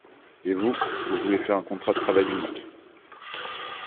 Et vous, vous voulez faire un contrat de travail unique.